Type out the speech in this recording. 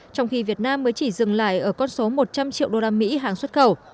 trong khi việt nam mới chỉ dừng lại ở con số một trăm linh triệu usd hàng xuất khẩu